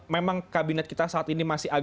memang kabinet kita saat ini masih agak